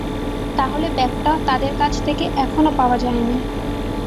তাহলে, ব্যাগটা তাদের কাছ থেকে এখনো পাওয়া যায়নি।